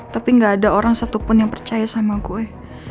tapi gak ada orang satupun yang percaya sama gue